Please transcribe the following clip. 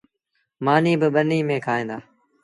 مآݩيٚ با ٻنيٚ ميݩ کآُئيٚن دآ۔